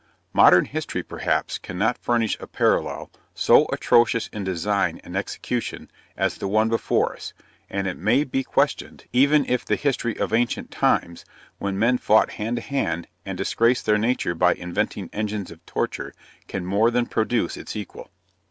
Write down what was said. Modern History, perhaps, cannot furnish a parallel so atrocious in design and execution, as the one before us, and it may be questioned, even if the history of ancient times, when men fought hand to hand, and disgraced their nature by inventing engines of torture, can more than produce its equal.